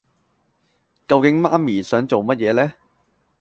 究竟媽咪想做乜嘢呢